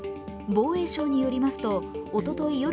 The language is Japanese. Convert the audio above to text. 防衛省によりますとおととい